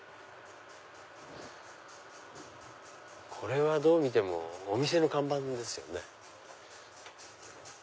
これはどう見てもお店の看板ですよね。